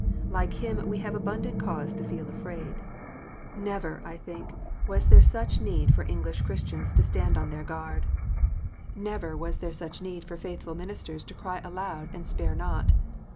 Like him we have abundant cause to feel afraid. Never, I think, was there such need for English Christians to stand on APOSTOLIC FEARS. 389 their guard. Never was there such need for faithful ministers to cry aloud and spare not.